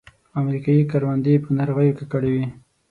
امریکایي کروندې په ناروغیو ککړې وې.